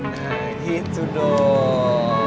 nah itu dong